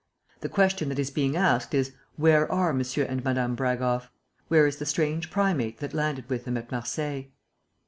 "The question that is being asked is where are M. and Mme. Bragoff? Where is the strange primate that landed with them at Marseilles?"